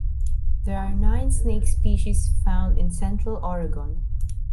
There are nine snake species found in Central Oregon.